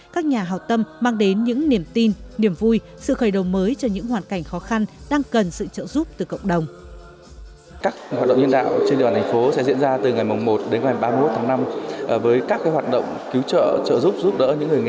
các nhà hào tâm mang đến những niềm tin niềm vui sự khởi đầu mới cho những hoàn cảnh khó khăn đang cần sự trợ giúp từ cộng đồng